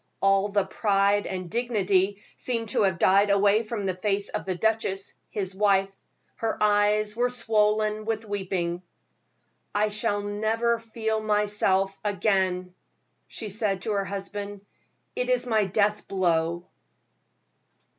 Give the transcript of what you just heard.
All the pride and the dignity seemed to have died away from the face of the duchess, his wife; her eyes were swollen with weeping. "I shall never feel myself again," she said to her husband; "it is my death blow."